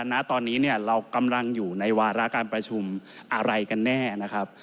ณตอนนี้เนี่ยเรากำลังอยู่ในวาระการประชุมอะไรกันแน่นะครับ